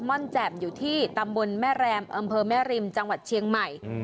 ่อนแจ่มอยู่ที่ตำบลแม่แรมอำเภอแม่ริมจังหวัดเชียงใหม่